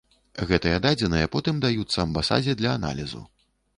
Гэтыя дадзеныя потым даюцца амбасадзе для аналізу.